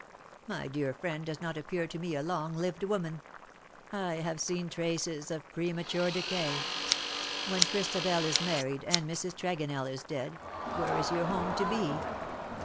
My dear friend does not appear to me a long lived woman. I have seen traces of premature decay. When Christabel is married, and Mrs. Tregonell is dead, where is your home to be?